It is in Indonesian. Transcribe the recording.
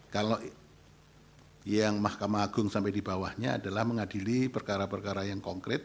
kalau yang mahkamah agung sampai di bawahnya adalah mengadili perkara perkara yang konkret